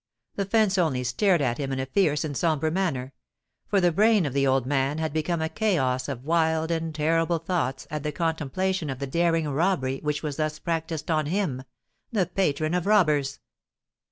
The fence only stared at him in a fierce and sombre manner; for the brain of the old man had become a chaos of wild and terrible thoughts at the contemplation of the daring robbery which was thus practised on him—the patron of robbers!